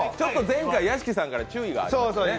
前回、屋敷さんから注意がありましたね。